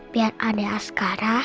biar adek askara